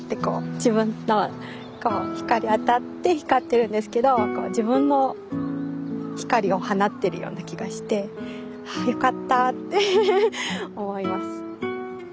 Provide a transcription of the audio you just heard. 自分の光当たって光ってるんですけど自分の光を放ってるような気がしてはあよかったって思います。